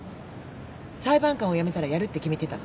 裁判官を辞めたらやるって決めてたの。